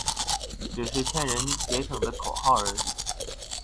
只是勸人節省的口號而已